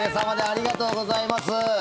ありがとうございます。